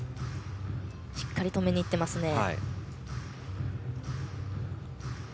しっかり止めに行っていますね。